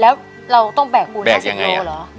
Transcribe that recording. แล้วเราต้องแบกปูน๕๐กิโลกรัมหรอแบกยังไงอ่ะ